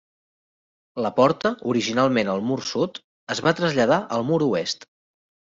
La porta, originalment al mur sud, es va traslladar al mur oest.